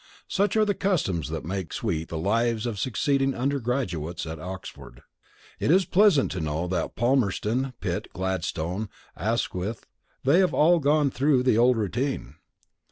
Such are the customs that make sweet the lives of succeeding undergraduates at Oxford. It is pleasant to know that Palmerston, Pitt, Gladstone, Asquith they have all gone through the old routine.